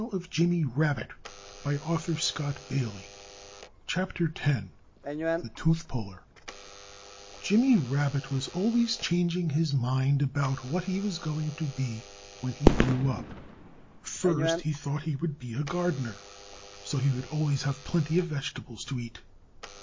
[Illustration: 10 The Tooth Puller] 10 The Tooth Puller Jimmy Rabbit was always changing his mind about what he was going to be when he grew up. First he thought he would be a gardener, so he would always have plenty of vegetables to eat.